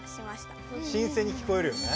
新せんに聞こえるよね。